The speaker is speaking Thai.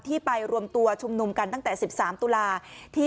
ไปรวมตัวชุมนุมกันตั้งแต่๑๓ตุลา